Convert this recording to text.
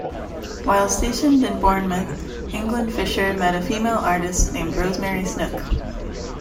While stationed in Bournemouth, England Fisher met a female artist named Rosemary Snook.